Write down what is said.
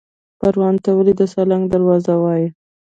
پروان ته ولې د سالنګ دروازه وایي؟